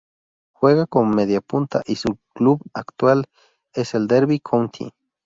Juega como mediapunta y su club actual es el Derby County.